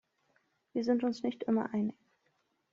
Wir sind uns nicht immer einig.